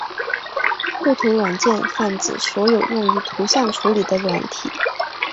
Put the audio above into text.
绘图软件泛指所有用于图像处理的软体。